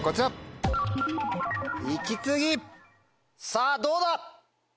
さぁどうだ？